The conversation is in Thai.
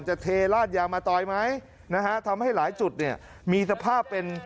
จะเทราะยางมาตอยไหมทำให้หลายจุดมีสภาพเป็น